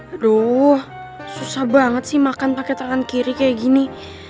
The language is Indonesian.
aduh susah banget sih makan pakai tangan kiri kayak gini